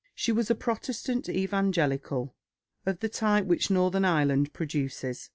She was a Protestant evangelical, of the type which northern Ireland produces.